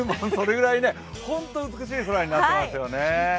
本当に美しい空になっていますよね。